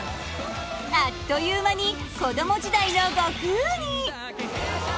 あっという間に子ども時代の悟空に！